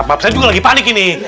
saya juga lagi panik ini